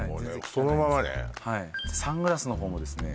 そのままねはいサングラスのほうもですね